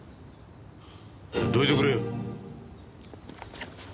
どいてくれよ。